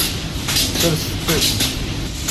Serset-tt.